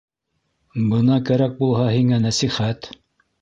— Бына кәрәк булһа һиңә нәсихәт!